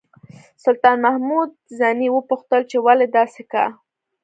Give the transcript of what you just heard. سلطان محمود ځنې وپوښتل چې ولې داسې کا.